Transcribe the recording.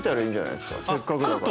せっかくだから。